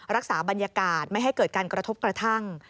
รักษาบรรยากาศไม่ให้เกิดการกระทบกระทั่ง